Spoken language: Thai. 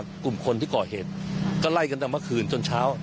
กลุ่มคนที่ก่อเหตุก็ไล่กันตั้งแต่เมื่อคืนจนเช้า